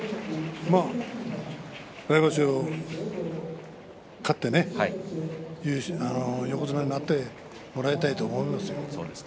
来場所、勝ってね横綱になってもらいたいと思いますね。